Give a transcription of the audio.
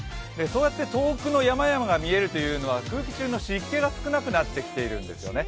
そうやって遠くの山々が見えるというのは空気中の湿気が少なくなっているんですよね。